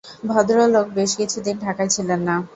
ভদ্রলোক বেশ কিছু দিন ঢাকায় ছিলেন না।